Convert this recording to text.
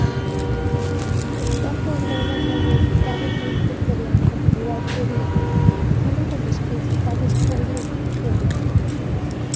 Está poblada mayoritariamente por la comunidad Yoruba, uno de los principales pueblos de Nigeria.